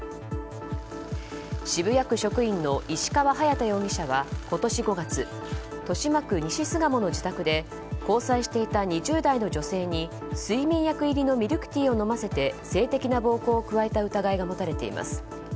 渋谷区職員の石川隼大容疑者は今年５月、豊島区西巣鴨の自宅で交際していた２０代の女性に睡眠薬入りのミルクティーを飲ませて性的な暴行を加えた疑いが持たれています。